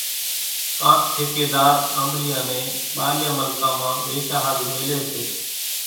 ڪاڪ ٺيڪيۮار آنٻڙيان نين ٻارليان ملڪان مان ويشا ۿارُو ميليَ سي۔